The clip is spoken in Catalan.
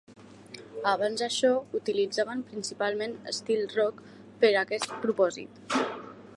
Abans d'això, utilitzaven principalment Seal Rock per a aquest propòsit.